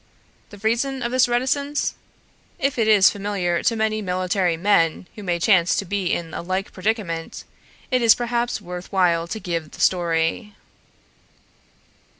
The reason of this reticence? If it is familiar to many military men who may chance to be in a like predicament, it is perhaps worth while to give the story.